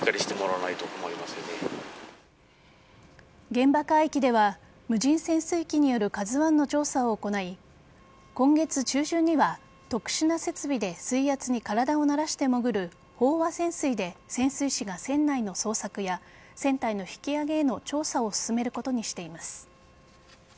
現場海域では無人潜水機による「ＫＡＺＵ１」の調査を行い今月中旬には特殊な設備で水圧に体を慣らして潜る飽和潜水で潜水士が船内の捜索や船体の引き揚げへの調査を進めることにしています。